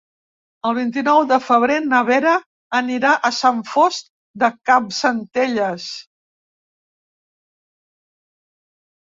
El vint-i-nou de febrer na Vera anirà a Sant Fost de Campsentelles.